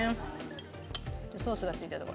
ソースがついてるとこ。